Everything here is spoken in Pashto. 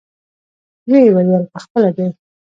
ويې ويل پخپله دى.